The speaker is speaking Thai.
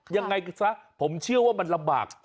ยังไงซะผมเชื่อว่ามันระบาก